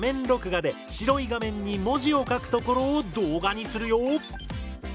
録画で白い画面に文字を書くところを動画にするよ。